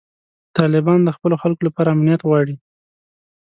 طالبان د خپلو خلکو لپاره امنیت غواړي.